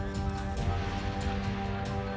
negara dania merayani kekuatan jauh